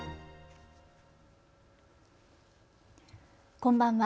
こんばんは。